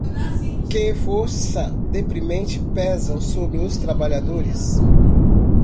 que força deprimente pesam sobre os trabalhadores